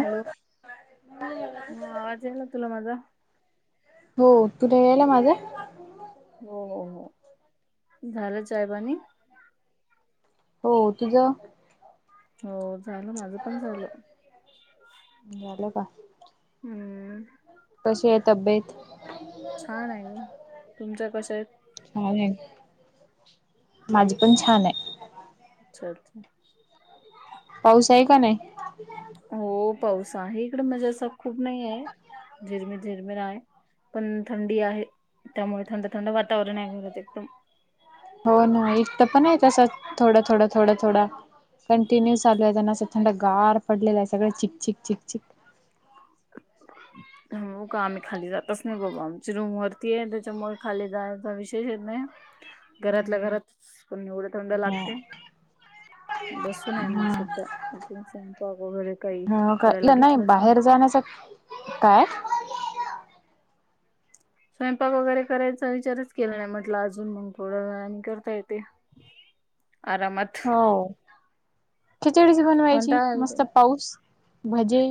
Hello! हा आवाज याला तुला माझा? हो तुला याला माझा? हो हो हो झालं चायपाणी? हो, तुझं? हो, झालं. माझं पण झालं. झाल का. हम्म, कशी आहे तब्येत? छान आहे ना. तुमच कस? भारी आहे. माझी पण छान आहे. चालतय. पाऊस आहे का नाही? हो, पाऊस आहे. इकडे म्हणजे असा खूप नाही आहे. झिरमीर झिरमीर आहे. पण थंडी आहे. त्यामुळे थंड थंड वातावरण आहे. घरात एकदम. हो ना. इथ पण आहे तसं थोडं थोडं थोडं थोडं. कंटिन्यू चालू आहे. त्यांन असं थंडगार पडलेलं आहे. सगळं असं चिकचिक चिकचिक. हम. हो का आम्ही खाली जातच नाही बाबा. आमची रूम वरती आहे त्याच्यामुळे खाली जायचा विषयच येत नाही. घरातल्या घरात पण एवढे थंड लागते. बसून आहे मग सद्धा अजून स्वयंपाक वगैरे काही ह का करायला घेत नाही बाहेर जाण्याचा काय? स्वयंपाक वगैरे करायचा विचारच केला नाही. म्हटलं, अजून मग थोडं आणि करता येते. आरामात. हो. खिचडीच बनवायची कंटाळा येतोय. मस्त पाऊस, भजे.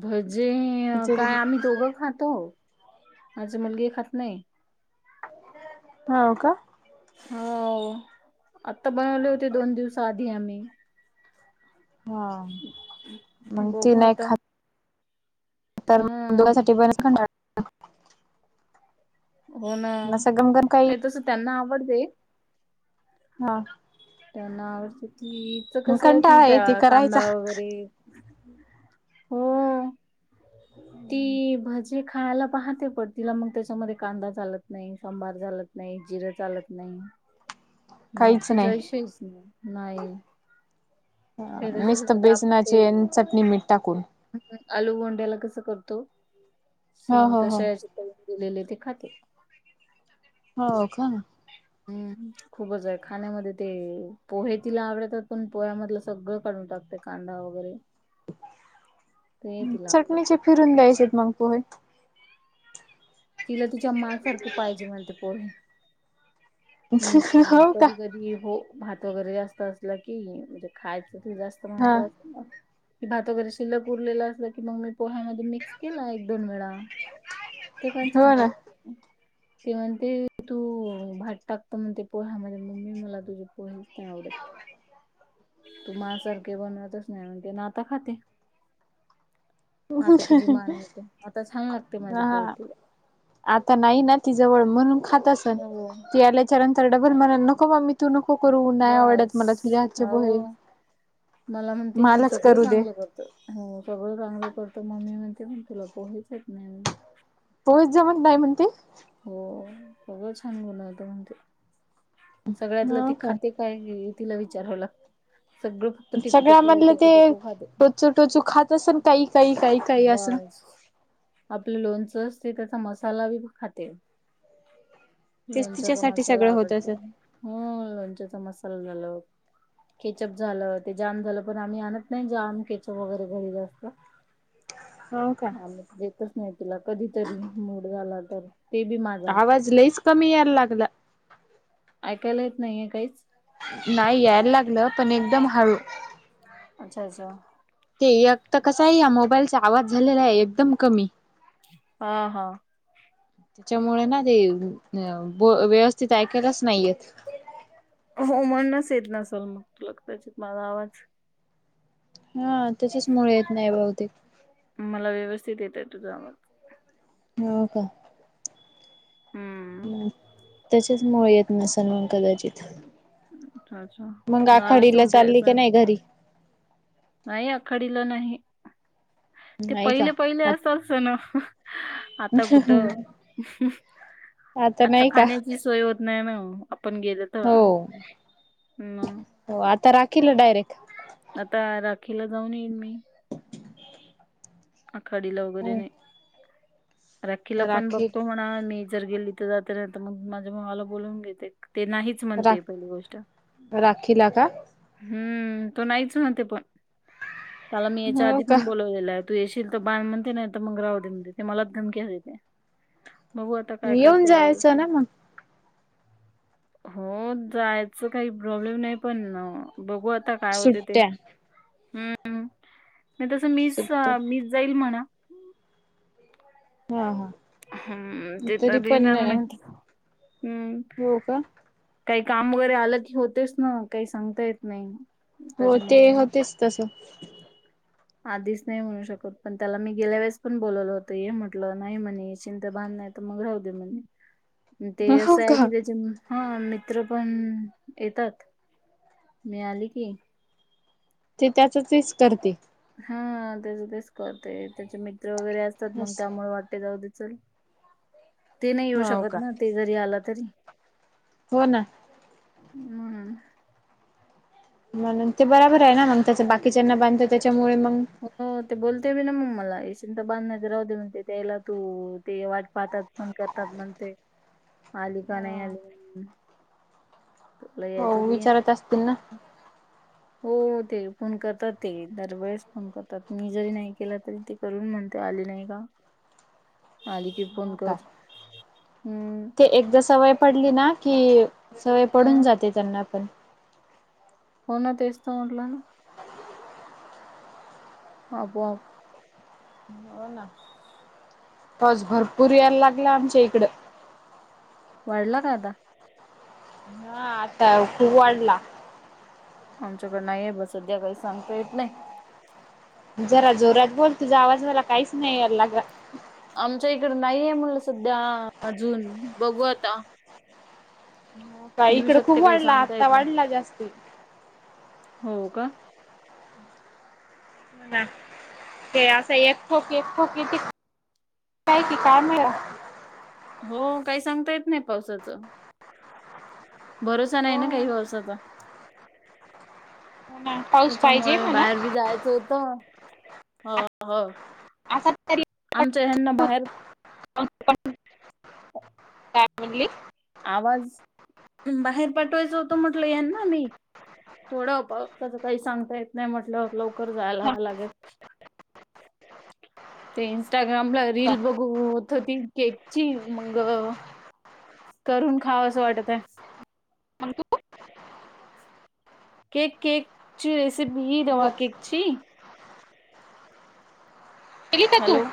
भजे खिचडी काय आम्ही दोघं खातो. माझी मुलगी ही खात नाही. हो का. हो, आता बनवले होते. दोन दिवस आधी आम्ही. हा मग ती बघू नाही आता खात. तर हा दोघासाठी बनायचा कंटाळा हो ना असं गमगम काही नाही तस त्यांना आवडते. हा त्यांना हीच मग कसं आहे की कंटाळा येते त्याना कांदा करायचा वगैरे, हो. ती भज ती खायला पाहते पण तिला मग त्याच्यामध्ये कांदा चालत नाही. सांभार चालत नाही. जिरं चालत नाही. काहीच मिरची नाही. जायशी नाही. हे तसेच करते आपण ते. नाही मीट टाकून. हम् आलू भोंड्याला कसं करतो हो सेम हो हो तशा याचे दिलेले ते खाते. हो का. हम्म, खूपच आहे. खाण्यामध्ये ते पोहे तिला आवडतात. पण पोह्यामधलं सगळं काढून टाकते. कांदा वगैरे ते तिला आवडत. चटणीचे फिरून द्यायचे आहेत मग ते पोहे. तिला तिच्या मनासारखी पाहिजे म्हणते पोहे. हम् हो का? कधी कधी हो. भात वगैरे जास्त असलं की, म्हणजे खायचं असत तर जास्त हा माहित असत. की भात वगैरे शिल्लक उरलेलं असलं की मग मी पोह्यामध्ये मिक्स केला एक दोन वेळा ते पण छान हो ना लागते ते म्हणते तू टाकते मण ते पोह्या म्हणे मम्मी मला तुझे पोहेच नाही आवडतं. तू मा सारखे बनवतच नाही म्हणती ते ना आता खाते आता तिची मा नाही तर आता छान लागते माझ्या पोहे हा तिला आता नाही ना ती जवळ म्हणून खात असेल हो ती आलं कि त्याच्यानंतर डबल मणा नको म मी तू नको करू नाही आवडतं बस मला तुझ्या हातचे पोहे हो. मला म्हणती तू मलाच सगळं करू दे चांगलं करत हो सगळं चांगलं करतं मम्मी म्हणते म्हण तुला पोहेच येत नाही म्हण. पोच जमत नाही म्हणती हो सगळं छान बनवती म्हणती सगळ्यातलं ते हो का? खाते काय तिला विचारावं लागतं सगळं फक्त टेकू टेकू टेकू टेकू खाते. तो चुखचा असर [unintelligible] बस आपलं लोणचं असते त्याचा मसाला बी खाते तेच लोणच्याचा तिच्यासाठी मसाला सगळं होत आवडते असेल ह लोणच्याचा मसाला झाला. केचअप झालं ते जाम झालं पण आम्ही आणत नाही जाम केचप वगैरे घरी जास्त हो का देतच नाही तिला कधीतरी मूड झाला तर ते बी माझा आवाज लईच कमी यायला लागला. ऐकायला येत नाहीये काहीच? नाही यायला लागलं पण एकदम हळू पंचायच [unintelligible] ते एक तर कसं आहे या मोबाईलचा आवाज झालेला आहे एकदम कमी हा हा त्याच्यामुळे ना ते अ व्यवस्थित ऐकायलाच नाहीयेत. हो म्हणूनच येत नसल मग तूला कदाचित माझं आवाज हा त्याच्या मुळे येत नाही बहुतेक मला व्यवस्थित येत आहे तुझा आवाज हो का हम्म त्याच्याच मुळे येत नसलं मग कदाचित अच्छा अच्छा मग नाला आखाडीला चोंप्या चालली की स्वयं नाही घरी? नाही आखडला नाही ते नाही का पहिले पहिले असतात सण आता कुठं आता नाही का खाण्याची सोय होत नाही नाही ओ आपण गेलं- हो हो आता राखीला डायरेक्ट आता राखीला जाऊन येईन मी. आखाडीला वगैरे नाही राखीला पण राखी बघतो म्हणा मी जर गेली तर जाते ना तर मग माझ्या भावाला बोलून घेते ते नाही मीच रा म्हणते पहिली गोष्ट राखीला का हम्म तो नाहीच म्हणते पण त्याला मी याच्या हो आधी का पण बोलवलेलं आहे. तू येशीलल तर बाध म्हणते नाही तर मग राव दे म्हणते ते मलाच धमकी देते. बघू आता काय येऊन करते जायचं यावेळी ना मग हो जायचं काही प्रॉब्लेम नाही पण बघू आता काय होते ते सुट्ट्या हम्म नाही तसं मीच सुट्ट्या मीच जाईल म्हणा हा हा हम्म ते तरी येणार नाहीत. हम्म. हो का? काही काम वगैरे आलं की होतेच ना काही सांगता येत नाही. हो ते त्याच्यामुळे होतेच तसं. आधीच नाही म्हणू शकत पण त्याला मी गेल्या वेळेस पण बोलवलं होत ये म्हटलं नाही म्हणे येचीं त बान नाही त मग राहू दे म्हणे ते हो असं आहे का की त्याचे हा मित्र पण येतात. मी आली की ते त्याचच येच करते. हा त्याच तेच करते त्याचे मित्र वगैरे असतात मग त्यामुळ वाट ते जाऊ दे चल. ते नाही येऊ हो शकत का ना ते जरी आल तरी. हो ना. म्हणून म्हणून ते बराबर आहे ना मग त्याच बाकीच्यांना बांध ते त्याच्यामुळे मग हो ते बोलते बि ना मग मला. येशिंत बांध नाही त राहूदे म्हण ते त्यायला तू ते वाट पाहतात. फोन करतात म्हणते. आली का नाही आली म्हणून तुला यायचं त ये. आत असतील ना? हो ते फोन करतात ते दरवेळेस फोन करतात मी जरी नाही केला तरी ते. करून म्हणते आली नाही का? आली की फोन कर. हम्. ती एकदा सवय पडली ना की सवय पडून हं. जाते त्यांना पण. हो ना तेच त म्हंटल ना? आपोआप. हो ना? पाऊस भरपूर यायला लागला आमच्या इकडं. वाढला का आता? हा आता खूप वाढला. आमच्याकड नाहीय बघ. सध्या काही सांगता येत नाही. जरा जोरात बोल. तुझा आवाज मला काहीच नाही याय लागला. आमच्या इकड नाहीये म्हणलं सध्या अजून बघू आता. [unintelligible] येऊ खूप शकतय काही वाढला सांगता आत्ता येत नाही वाढला जास्ती. हो हो का? ते असं एक ठोक एक ठोकीती य की काय मिळा हो काही सांगता येत नाही पावसाचं. भरोसा नाही हो ना काही पावसाचा. हो ना? पाऊस पाहिजे त्याच्यामुळे म्हणा बाहेर बी जायचं होतं. ह ह. [unintelligible] आमच्या ह्यांना बाहेर काय म्हणटली? आवाज बाहेर पाठवायचं होतं म्हटलं यांना नाही थोडं प प त्याचं काही सांगता येत नाही म्हटल्यावर लवकर जायला मग लागेल. ते इंन्स्टाग्रामला रील बघू होत होती केकची. मग - करून खाव असं वाटत आहे. तू केक केक ची रेसिपी ह रवा केकची. केली का तू? हॅलो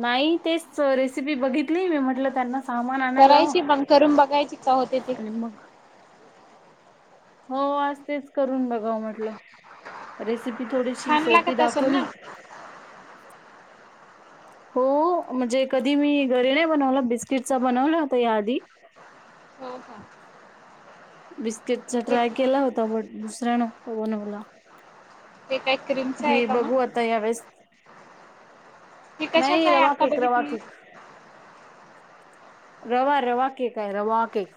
नाही तेच रेसिपी बघितली. मी म्हटलं त्यांना, सामान आणायला करायची मग करून बघायची का होते ते. आणि मग, हो, आज तेच करून बघाव म्हटलं रेसिपी थोडीशी छान सोपी लागत असेल ना? दाखवली. हो, म्हणजे कधी मी घरी नाही बनवला बिस्किटचा बनवला होता. या आधी हम हा. बिस्किटचा ट्राय केला होता. बट दुसऱ्या नव्ह बनवला. एक काय क्रीम हे बघू. आता यावेेळेस, हे कशाच नाही. आहे रवा आता केक, रवा बघितली केक. रवा रवा केक आहे. रवा केक.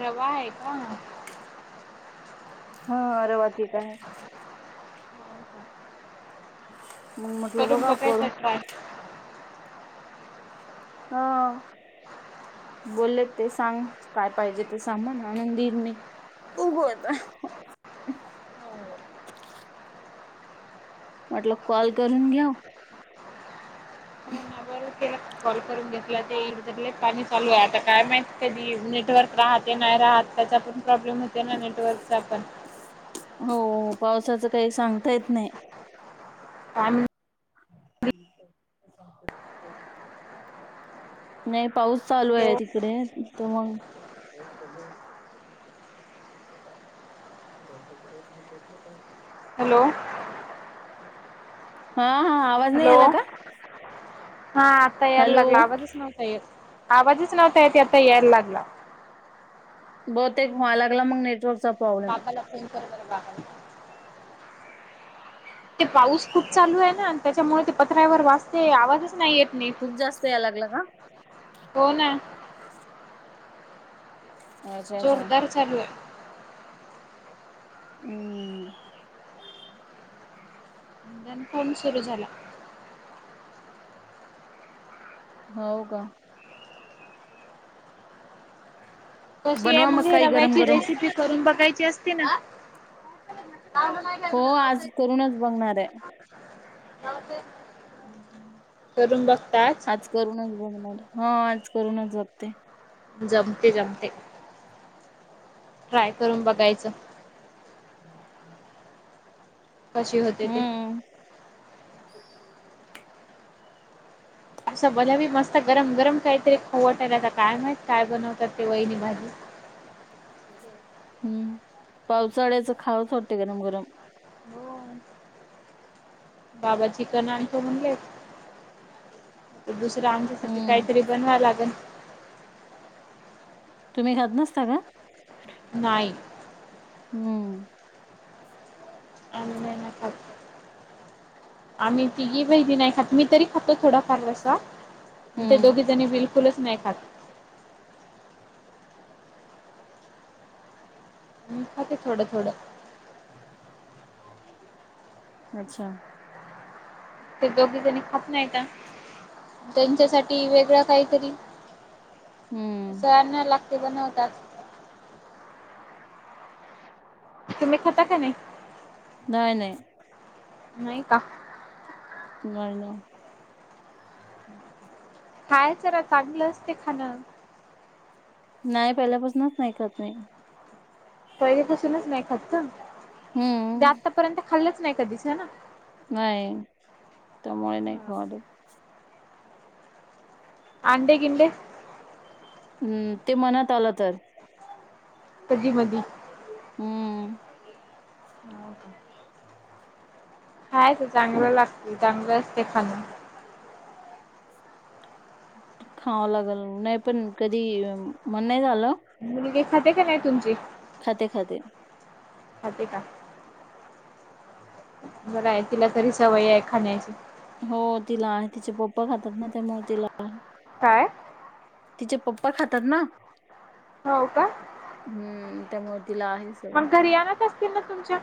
रवा आहे का? हा रवा केक आहे. मग म्हटलं बघाव करून, काय ते हा. बोललेत ते सांग. काय पाहिजे ते सामान आणून देईन मी. बघू आता. म्हटलं कॉल करून घ्याव. अह [unintelligible] बरं केला कॉल करून घेतला ते सगळे पाणी चालू आहे. आता काय माहित कधी नेटवर्क राहत नाही राहात त्याचा पण, प्रॉब्लेम होते ना. नेटवर्कचा पण, हो. पावसाचं काही सांगता येत नाही. काय माहित? [inaudible] नाही पाऊस चालू आहे. हॅलो तिकडे तर मग, [unintelligible] हॅलो, हा हा आवाज नाही हॅलो आला का? हा आत्ता यायला हॅलो लागला. आवाजच नव्हता येत. आवाजच नव्हता येत आता यायला लागला. बहुतेक व्हा लागला मग नेटवर्क पापाला फोन कर बरं बाबा. ते पाऊस खूप चालू आहे ना. त्याच्यामुळे ते पत्र्यावर वाजाते आवाजच नाही येत नाही. खूप जास्त याला लागला का? हो ना. अच्छा अच्छा जोरदार चालू आहे. हम्म. कन्फर्म सुरू झाला. हो का. कशी आहे बनवा मग काही गरम रव्याची गरम रेसिपी करून बघायची असते ना. हो आज करूनच बघणार आहे. करून बघतात. आज करूनच बघणार. हा आज करूनच बघते. जमते जमते. ट्राय करून बघायचं. [inaudible] कशी होते ते. हम्म. असं जलेबी मस्त गरम, गरम तळते काहीतरी खाऊवाटायला आता काय माहीत काय बनवतात ते वहिली भाजी. हम्म पावसाळ्याचं खावुच वाटते गरम, गरम. हो बाबा चिकन आणखो म्हणले तर दुसर आमच्यासाठी हम्म काहीतरी बनवा लागन. तुम्ही खात नसता का? नाही. हम्म. आम्ही नाही न खात. आम्ही तीघी बहिणी नाही खात मी तरी खातो थोडा फार रसा ते हम्म दोघी जणी बिलकुल कुलच नाही खात. अगदी थोडं, थोडं. अच्छा. ते दोघी जणी खात नाहीन. त्यांच्यासाठी वेगळं काहीतरी अस हम्म आणा लागते बनवतात. तुम्ही खाता का नाही? नाही, नाही. नाही का. नाही ना. खायचर चांगलं असते खाणं. नाही पहिल्यापासूनच नाही खात मी. पहिले पासूनच नाही खात का म्हणजे हम्म आतापर्यंत खाल्लंच नाही कधीच हैना? नाही त्यामुळे नाही खाऊ वाटत. अंडे गिंडे? हम्म ते मनात आलं तर. कधी, मधी. हम्म. हव ओके [inaudible] खायच चांगलं लागते चांगलं असते खाणं. खावं लागल मग नाही पण कधी मण नाही झालं. मुलगी खाते का नाही तुमची? खाते, खाते. खाते का. बरं आहे तिला तरी सवय आहे खाण्याची. हो तिला आहे तिचे पप्पा खातात ना त्यामुळे तिला आहे. काय? तिचे पप्पा खातात ना हो का हम्म त्यामुळे तिला आहे सवय. मग घरी आणत असतील ना तुमच्या?